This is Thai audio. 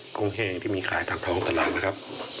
กุ้งแห้งที่มีขายทางท้องตลาดนะครับ